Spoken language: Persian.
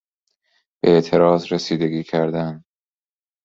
به اعتراض رسیدگی کردن